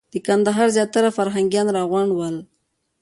د کندهار زیاتره فرهنګیان راغونډ ول.